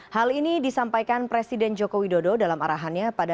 hal ini disampaikan presiden joko widodo dalam arahannya pada